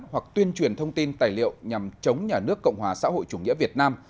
hoặc tuyên truyền thông tin tài liệu nhằm chống nhà nước cộng hòa xã hội chủ nghĩa việt nam